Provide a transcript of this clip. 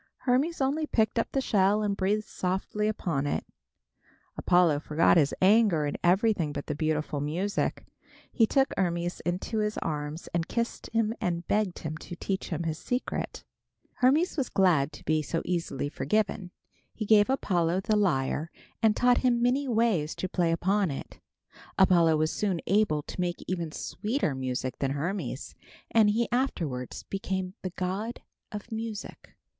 Hermes only picked up the shell and breathed softly upon it. Apollo forgot his anger and everything but the beautiful music. He took Hermes in his arms and kissed him and begged him to teach him his secret. Hermes was glad to be so easily forgiven. He gave Apollo the lyre and taught him many ways to play upon it. Apollo was soon able to make even sweeter music than Hermes, and he afterwards became the god of music.